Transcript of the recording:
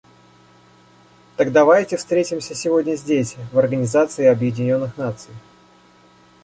Так давайте встретимся сегодня здесь, в Организации Объединенных Наций.